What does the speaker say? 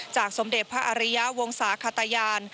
จากสมเด็จพระอาริยาวงศาขตายาน